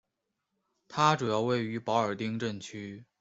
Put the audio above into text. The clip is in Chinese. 它主要位于保尔丁镇区。